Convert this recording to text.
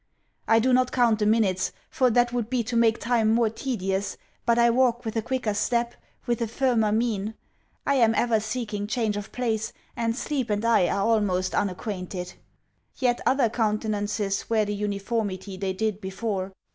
I do not count the minutes, for that would be to make time more tedious, but I walk with a quicker step, with a firmer mien. I am ever seeking change of place, and sleep and I are almost unacquainted. Yet other countenances wear the uniformity they did before.